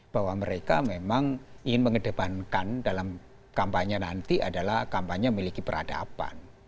bahwa mereka memang ingin mengedepankan dalam kampanye nanti adalah kampanye miliki peradaban